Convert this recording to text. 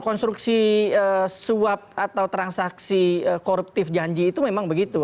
konstruksi suap atau transaksi koruptif janji itu memang begitu